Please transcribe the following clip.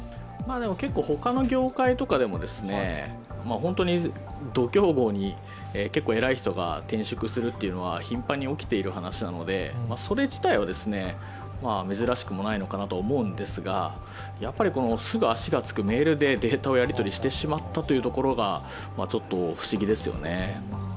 でも、結構他の業界とかでもド競合に結構偉い人が転職するというのは頻繁に起きている話なのでそれ自体は珍しくもないのかなと思うんですが、やっぱりすぐ足がつくメールでデータをやり取りしてしまったところがちょっと不思議ですよね。